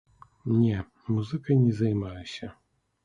Не, музыкай не займаюся.